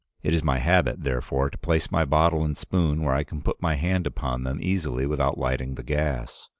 It is my habit, therefore, to place my bottle and spoon where I can put my hand upon them easily without lighting the gas.